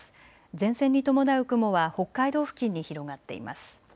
前線に伴う雲は北海道付近に広がっています。